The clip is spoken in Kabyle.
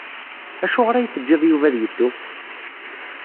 Acuɣer ay tejjid Yuba ad yeddu?